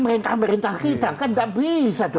merintah merintah kita kan nggak bisa dong